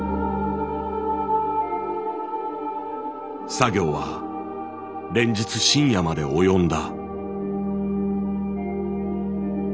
作業は連日深夜まで及んだ。